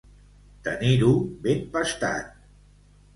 Tenir-ho ben pastat.